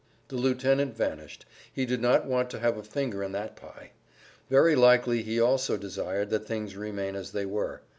The lieutenant vanished; he did not want to have a finger in that pie; very likely he also desired that things remain as they were.